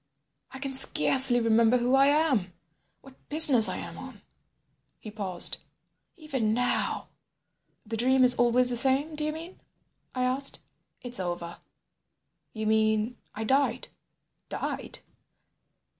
I can scarcely remember who I am, what business I am on ...." He paused. "Even now—" "The dream is always the same—do you mean?" I asked. "It's over." "You mean?" "I died." "Died?"